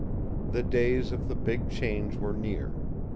The days of the big change were near.